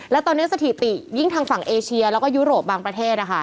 และตอนนี้สถิติยิ่งทางฝั่งเอเชียแล้วก็ยุโรปบางประเทศ